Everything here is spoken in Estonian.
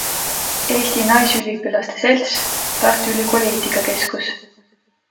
Eesti Naisüliõpilaste Selts, Tartu Ülikooli eetikakeskus.